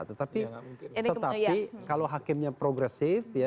tetapi kalau hakimnya progresif